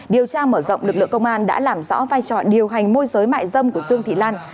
điều tra mở rộng lực lượng công an đã làm rõ vai trò điều hành môi giới mại dâm của dương thị lan